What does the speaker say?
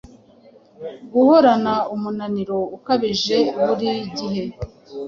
Guhorana umunaniro ukabije burigihe